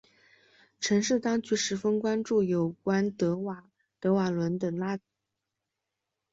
城市当局十分关注有关德瓦伦的拉皮条列入人口贩卖受害者目的地的基本国家名单中。